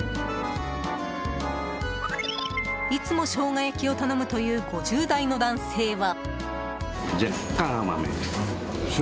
いつもショウガ焼きを頼むという５０代の男性は。